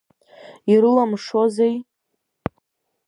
Ирылымшозеи?